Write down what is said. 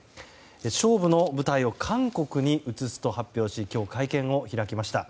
勝負の舞台を韓国に移すと発表し今日、会見を開きました。